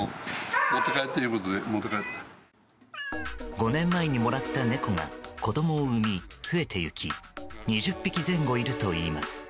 ５年前にもらった猫が子供を産み、増えていき２０匹前後いるといいます。